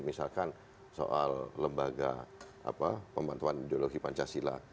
misalkan soal lembaga pembantuan ideologi pancasila